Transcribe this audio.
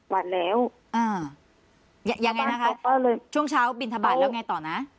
วันแล้วอ่ายังไงนะคะช่วงเช้าบินทบาทแล้วไงต่อนะ